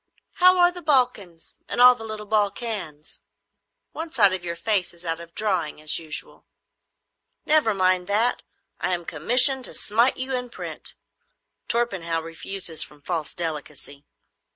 How are the Balkans and all the little Balkans? One side of your face is out of drawing, as usual." "Never mind that. I am commissioned to smite you in print. Torpenhow refuses from false delicacy.